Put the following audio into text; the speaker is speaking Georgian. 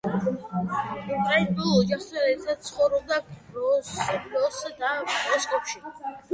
უკრაინულ ოჯახთან ერთად ცხოვრობდა გროზნოსა და მოსკოვში.